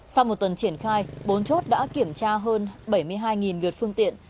sau một tuần triển khai bốn chốt đã kiểm tra hơn bảy mươi hai lượt phương tiện